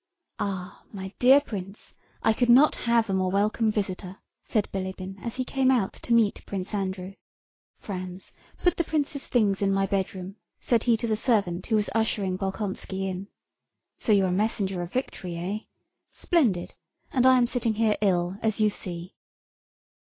"Ah, my dear prince! I could not have a more welcome visitor," said Bilíbin as he came out to meet Prince Andrew. "Franz, put the prince's things in my bedroom," said he to the servant who was ushering Bolkónski in. "So you're a messenger of victory, eh? Splendid! And I am sitting here ill, as you see."